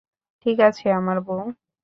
ঠিকাছে, আমার বউ?